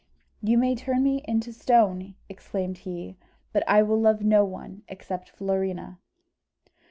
"You may turn me into stone!" exclaimed he; "but I will love no one, except Florina."